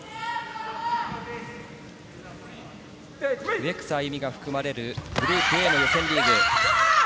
植草歩が含まれるグループＡの予選リーグ。